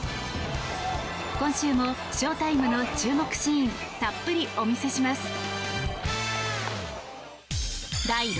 今週も翔タイムの注目シーンたっぷりお見せします。